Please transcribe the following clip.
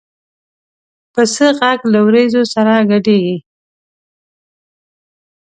پسه غږ له وریځو سره ګډېږي.